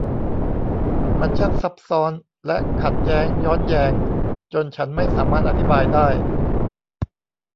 มันช่างซับซ้อน และขัดแย้งย้อนแยง จนฉันไม่สามารถอธิบายได้